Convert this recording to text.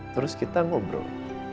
terus kita ngobrol